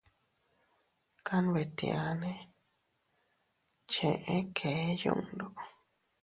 Kanbetianne cheʼe kee yundo.